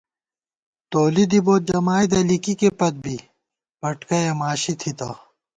تولی دِبوت جمائیدہ لِکِکےپت بی پٹکَیَہ ماشی تھِتہ